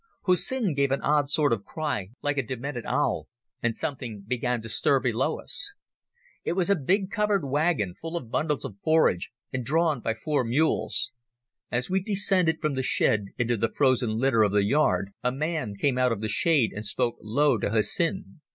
Hussin gave an odd sort of cry, like a demented owl, and something began to stir below us. It was a big covered wagon, full of bundles of forage, and drawn by four mules. As we descended from the shed into the frozen litter of the yard, a man came out of the shade and spoke low to Hussin.